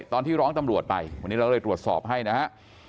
ตอนที่ร้องตำรวจไปวันนี้เราเลยตรวจสอบให้นะฮะ